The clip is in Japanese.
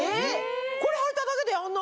これはいただけであんな。